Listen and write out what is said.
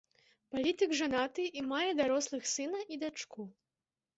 Палітык жанаты і мае дарослых сына і дачку.